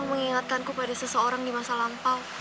kau mengingatkan ku pada seseorang di masa lampau